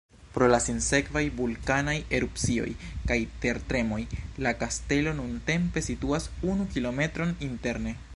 Pro la sinsekvaj vulkanaj erupcioj kaj tertremoj, la kastelo nuntempe situas unu kilometron interne.